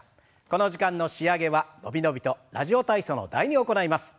この時間の仕上げは伸び伸びと「ラジオ体操」の「第２」を行います。